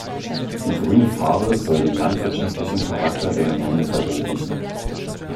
Die grüne Farbe soll den landwirtschaftlichen Charakter der Gemeinde verdeutlichen.